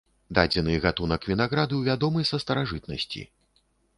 Дадзены гатунак вінаграду вядомы са старажытнасці.